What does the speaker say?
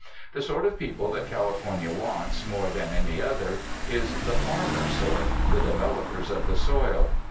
The sort of people that California wants, more than any other, is the farmer sort, the developers of the soil.